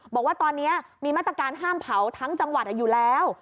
บอกว่าตอนนี้มีมาตรการห้ามเผาทั้งจังหวัดอยู่แล้ว